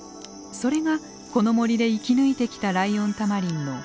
それがこの森で生き抜いてきたライオンタマリンの知恵なのです。